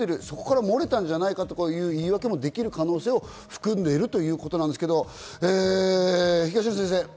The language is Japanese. そこからもれたんじゃないかという言い訳もできる可能性を含んでいるということなんですけど、東野先生